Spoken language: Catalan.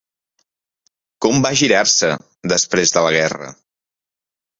Com va girar-se, després de la guerra!